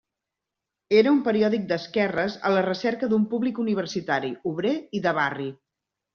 Era un periòdic d'esquerres a la recerca d'un públic universitari, obrer i de barri.